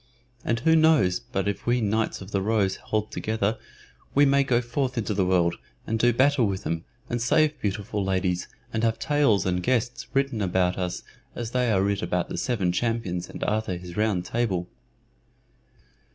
And who knows but that if we Knights of the Rose hold together we may go forth into the world, and do battle with them, and save beautiful ladies, and have tales and gestes written about us as they are writ about the Seven Champions and Arthur his Round table."